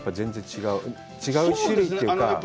違う種類というか。